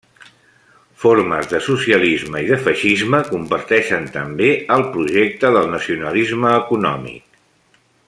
Formes de socialisme i de feixisme comparteixen també el projecte del nacionalisme econòmic.